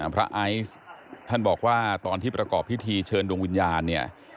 ไอซ์ท่านบอกว่าตอนที่ประกอบพิธีเชิญดวงวิญญาณเนี่ย